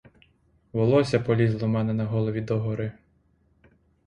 Волосся полізло в мене на голові догори.